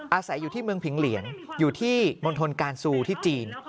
อาศัยอยู่ที่เมืองผิงเหลียงอยู่ที่มณฑลการซูที่จีน